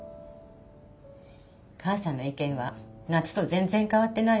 母さんの意見は夏と全然変わってないわ。